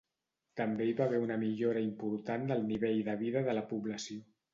També hi va haver una millora important del nivell de vida de la població.